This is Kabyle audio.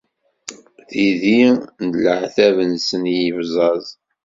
Tidi n leɛtab-nsen i yebẓaẓ.